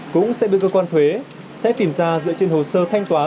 cũng sẽ được cơ quan thuế sẽ tìm ra dựa trên hồ sơ thanh toán